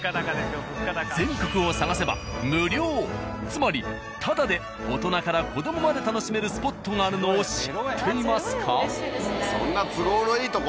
つまりタダで大人から子供まで楽しめるスポットがあるのを知っていますか？］